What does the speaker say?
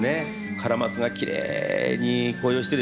カラマツがきれいに紅葉してるでしょう。